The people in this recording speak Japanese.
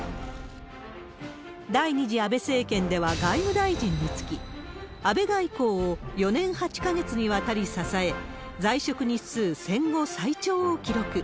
第２次安倍政権では外務大臣に就き、安倍外交を４年８か月にわたり支え、在職日数戦後最長を記録。